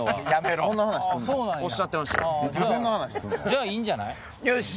じゃあいいんじゃない？よし！